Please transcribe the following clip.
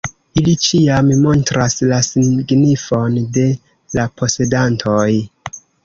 Ili ĉiam montras la signifon de la posedantoj.